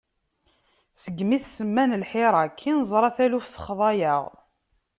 Segmi s-semman "lḥirak", i neẓra taluft texḍa-yaɣ.